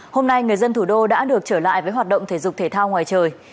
hôm nay người dân thủ đô đã được trở lại với hoạt động thể dục thể thao ngoài trời